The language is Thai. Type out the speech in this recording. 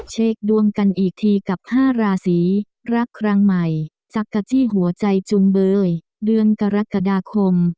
เช็คดวงกันอีกทีกับ๕ราศีรักครั้งใหม่จักรจี้หัวใจจุงเบยเดือนกรกฎาคม